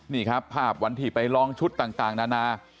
นี่ครับภาพวันที่ไปลองชุดต่างนานา